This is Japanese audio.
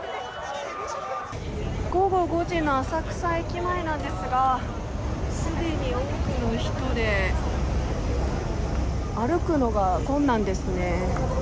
午後５時の浅草駅前なんですがすでに多くの人で歩くのが困難ですね。